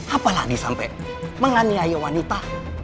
apalagi sampai menganiaya wanita